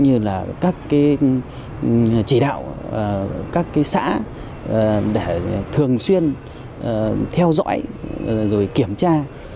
thành lập các tổ công tác các chỉ đạo các xã để thường xuyên theo dõi kiểm tra